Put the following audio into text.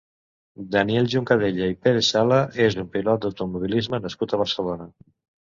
Daniel Juncadella i Pérez-Sala és un pilot d'automobilisme nascut a Barcelona.